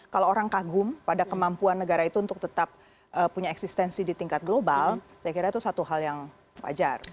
kalau orang kagum pada kemampuan negara itu untuk tetap punya eksistensi di tingkat global saya kira itu satu hal yang wajar